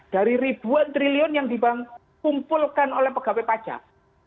dari ribuan triliun yang dikumpulkan oleh pegawai pajak